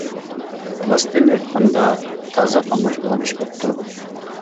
راستىنى ئېيتقاندا، تازا قاملاشمىغان ئىش بوپتۇ.